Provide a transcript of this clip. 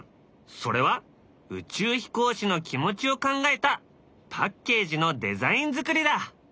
それは宇宙飛行士の気持ちを考えたパッケージのデザイン作りだ。